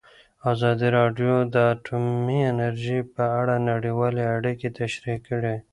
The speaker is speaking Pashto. ازادي راډیو د اټومي انرژي په اړه نړیوالې اړیکې تشریح کړي.